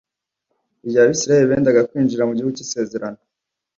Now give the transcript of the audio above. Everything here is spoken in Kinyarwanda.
igihe abisirayeli bendaga kwinjira mu gihugu cy'isezerano